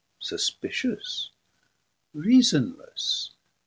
Suspicious, reasonless.